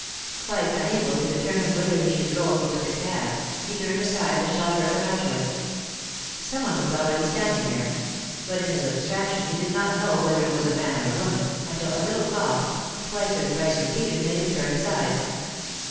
Quite unable to determine whither he should go if he took a cab, he turned aside to the shelter of an archway. Some one was already standing there, but in his abstraction he did not know whether it was man or woman, until a little cough, twice or thrice repeated, made him turn his eyes.